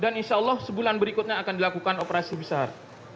insya allah sebulan berikutnya akan dilakukan operasi besar